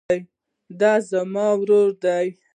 دی زما ورور دئ.